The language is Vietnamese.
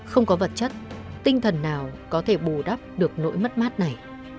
không có vật chất tinh thần nào có thể bù đắp được nỗi mất mát này